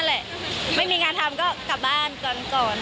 แหละไม่มีงานทำก็กลับบ้านก่อน